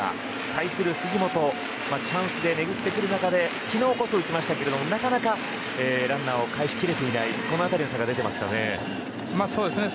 対する杉本チャンスで巡ってくる中で昨日こそ打ちましたけどなかなかランナーをかえしきれていないこの辺りの差が出ていますかね。